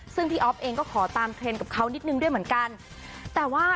ซึ่งพี่อ๊อฟเองก็ขอตามเทรนด์กับเขานิดนึงด้วยเหมือนกันแต่ว่า